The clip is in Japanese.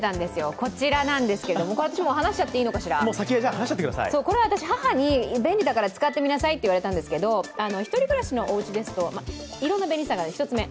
こちらなんですけど、これ私、母に便利だから使ってみなさいっていわれたんですけど１人暮らしのおうちですといろんな便利さがあります。